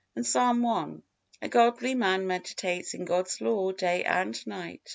And Psalm i: "A godly man meditates in God's Law day and night."